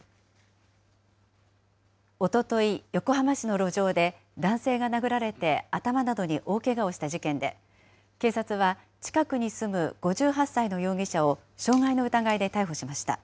おととい、横浜市の路上で男性が殴られて、頭などに大けがをした事件で、警察は、近くに住む５８歳の容疑者を傷害の疑いで逮捕しました。